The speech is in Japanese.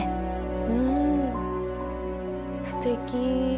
うんすてき。